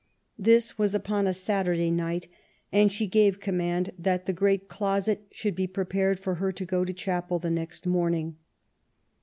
This was upon a Saturday night, and she gave command that the great closet should be prepared for her to go to chapel the next morning.